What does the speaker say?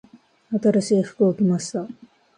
新しい服を着ました。